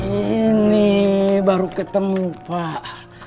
ini baru ketemu pak